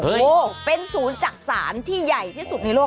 โอ้โหเป็นศูนย์จักษานที่ใหญ่ที่สุดในโลก